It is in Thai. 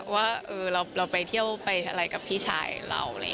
ว่าเราไปเที่ยวไปอะไรกับพี่ชายเรา